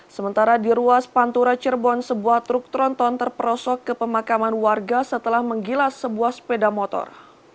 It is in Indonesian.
sementara di ruas pantura cirebon sebuah truk tronton terperosok ke pemakaman warga setelah menggilas sebuah sepeda motor